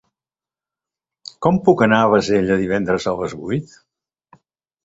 Com puc anar a Bassella divendres a les vuit?